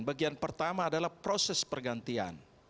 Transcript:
bagian pertama adalah proses pergantian